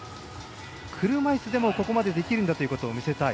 車いすでもここまでできるんだと見せたい。